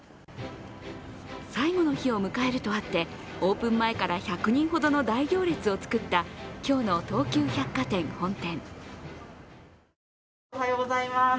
最後の日を迎えるとあって、オープン前から１００人ほどの大行列を作った今日の東急百貨店本店。